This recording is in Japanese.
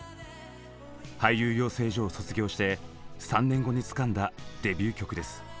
俳優養成所を卒業して３年後につかんだデビュー曲です。